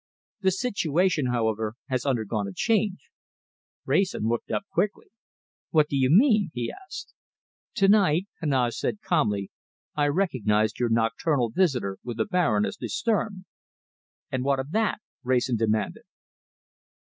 The situation, however, has undergone a change." Wrayson looked up quickly. "What do you mean?" he asked. "To night," Heneage said calmly, "I recognized your nocturnal visitor with the Baroness de Sturm. "And what of that?" Wrayson demanded.